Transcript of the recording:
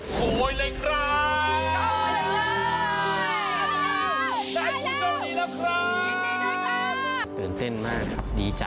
ขโมยเลยครับ